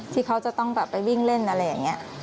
ที่เขาจะต้องแบบไปวิ่งเล่นอะไรอย่างนี้